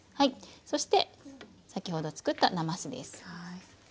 そして先ほど作ったなますです。